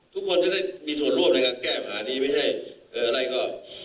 ทุกคนจะได้มีส่วนร่วมแก้มหาดีไม่ใช่อะไรก็